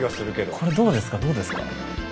どうですか？